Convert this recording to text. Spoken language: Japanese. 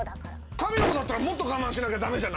神の子だったらもっと我慢しなきゃダメじゃない？